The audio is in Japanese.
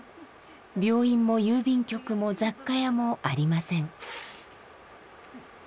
病院も郵便局も雑貨屋もありません。